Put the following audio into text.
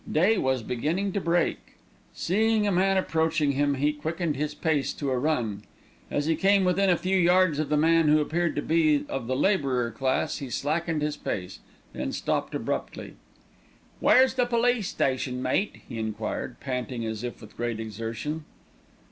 Day was beginning to break. Seeing a man approaching him, he quickened his pace to a run. As he came within a few yards of the man, who appeared to be of the labourer class, he slackened his pace, then stopped abruptly. "Where's the police station, mate?" he enquired, panting as if with great exertion.